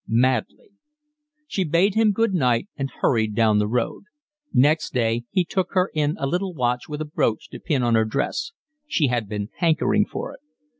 "Madly." She bade him good night and hurried down the road. Next day he took her in a little watch with a brooch to pin on her dress. She had been hankering for it.